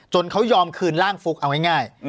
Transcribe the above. จนเขายอมคืนเนื้อร่างฟุ๊กเอาไว้ง่าย